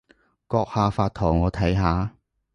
閣下發圖我睇下